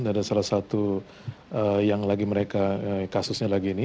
ada salah satu yang lagi mereka kasusnya lagi ini